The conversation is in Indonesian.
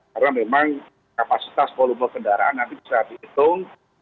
karena memang kapasitas volume kendaraan nanti bisa dihitung